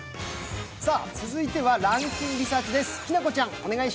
続いては「ランキンリサーチ」です。